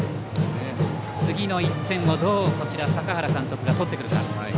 次の１点をどう坂原監督が取ってくるか。